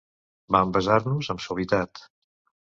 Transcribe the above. Vam besar-nos, amb suavitat.